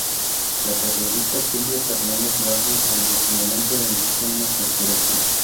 La periodista Silvia Fernández Barrio en su momento denunció una conspiración.